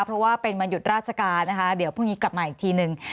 เพราะว่าเป็นวันหยุดราชการนะคะเดี๋ยวพรุ่งนี้กลับมาอีกทีหนึ่ง